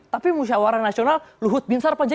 tapi musyawarah nasional luhut binsar pancasila